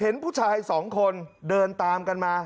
เห็นผู้ชายสองคนเดินตามกันมา